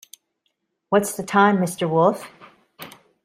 What's the time, Mr Wolf?